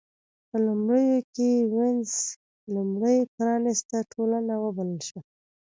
په لومړیو کې وینز لومړۍ پرانېسته ټولنه وبلل شوه.